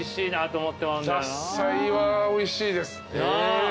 獺祭はおいしいですね。